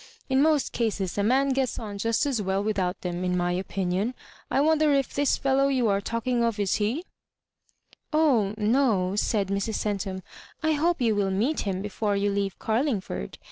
In most cases a man gets on just aa well without them, in my opinion. I wonder if this fsUow you are talking of is he 7" ^ Oh no^" said Mrs. Centum. I hope you will meet him before you leave Carlingford.